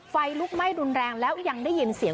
ไฟลุกไหม้รุนแรงแล้วยังได้ยินเสียง